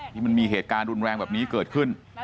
ที่มันมีเหตุการณ์รุนแรงแบบนี้เกิดขึ้น